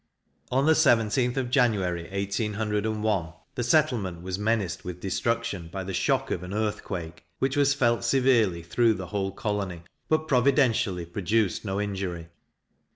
On the 17th of January, 1801, the settlement was menaced with destruction by the shock of an earthquake, which was felt severely through the whole colony, but, providentially, produced no injury.